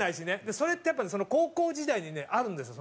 それってやっぱ高校時代にねあるんですよ